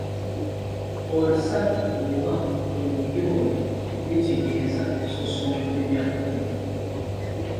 Olusake oba obuyoole bitegeeza bisosonkole bya kkovu.